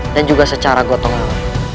dan juga secara gotongan